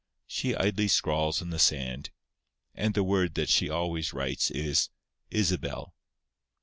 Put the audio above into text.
She idly scrawls in the sand; and the word that she always writes is "Isabel."